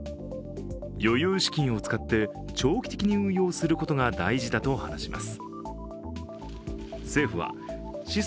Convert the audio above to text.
余裕資金を使って長期的に運用することが大事だと話します。